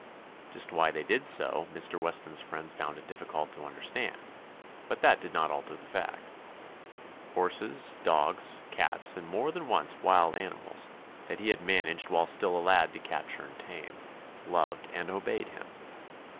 Just why they did so Mr. Weston's friends found it difficult to understand, but 225 THE ADVENTURES OF that did not alter the fact. Horses, dogs, cats, and more than once wild animals, that he had managed while still a lad to capture and tame, loved and obeyed him.